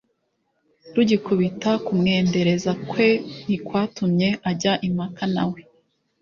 rugikubita kumwendereza kwe ntikwatumye ajya impaka na we.